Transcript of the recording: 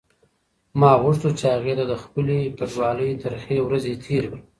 ما غوښتل چې هغې ته د خپلې کډوالۍ ترخې ورځې تېرې کړم.